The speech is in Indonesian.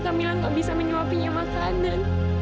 kamilah nggak bisa menyuapinya makanan